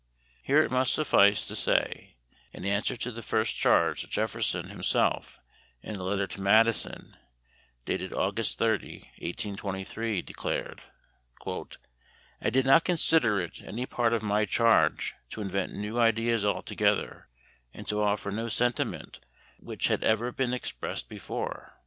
Here it must suffice to say in answer to the first charge that Jefferson himself in a letter to Madison, dated August 30, 1823, declared, "I did not consider it any part of my charge to invent new ideas altogether, and to offer no sentiment which had ever been expressed before....